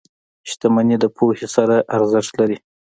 • شتمني د پوهې سره ارزښت لري.